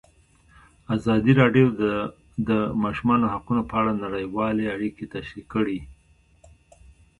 ازادي راډیو د د ماشومانو حقونه په اړه نړیوالې اړیکې تشریح کړي.